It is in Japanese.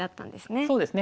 そうですね。